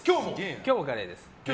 今日もカレーです。